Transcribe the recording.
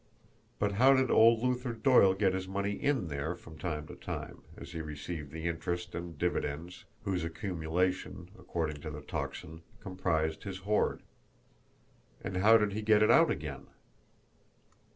But how did old Luther Doyle get his money IN there from time to time, as he received the interest and dividends whose accumulation, according to the Tocsin, comprised his hoard! And how did he get it OUT again?